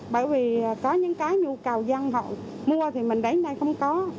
bởi vì có những cái nhu cầu dân họ mua thì mình đến đây không có